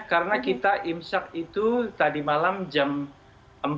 karena kita imsak itu tadi malam jam empat tiga puluh dua